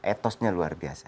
etosnya luar biasa